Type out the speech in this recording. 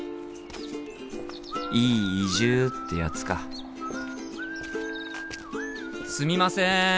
いい移住ってやつかすみません！